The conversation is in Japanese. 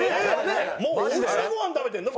もうおうちでご飯食べてるの？